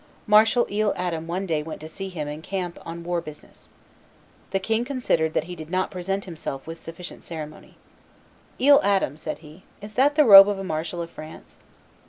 Marshal Isle Adam one day went to see him in camp on war business. The king considered that he did not present himself with sufficient ceremony. "Isle Adam," said he, "is that the robe of a marshal of France?"